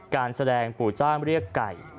การแสดงปู่จ้างเรียกไก่